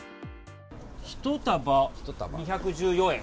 １束２１４円。